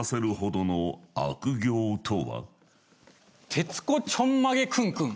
テツコちょんまげクンクン。